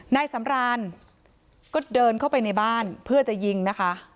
นายสำรานก็เดินเข้าไปในบ้านเพื่อจะยิงนะคะ